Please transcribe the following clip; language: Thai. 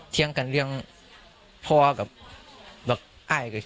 เถียงกันเรื่องพ่อกับไอ้